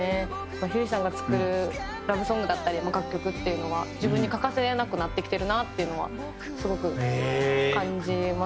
ひゅーいさんが作るラブソングだったり楽曲っていうのは自分に欠かせなくなってきてるなっていうのはすごく感じますね。